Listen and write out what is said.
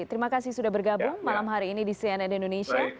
terima kasih sudah bergabung malam hari ini di cnn indonesia